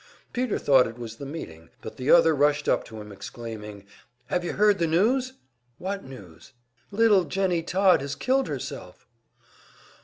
Peter thought it was the meeting, but the other rushed up to him, exclaiming: "Have you heard the news?" "What news?" "Little Jennie Todd has killed herself!"